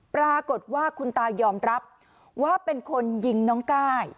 ปรากฏว่าคุณตายอมรับว่าเป็นคนยิงน้องก้าย